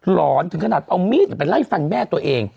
หอนถึงขนาดเอามีดไปไล่ฟันแม่ตัวเอง